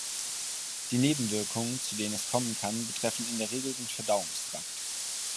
Die Nebenwirkungen, zu denen es kommen kann, betreffen in der Regel den Verdauungstrakt.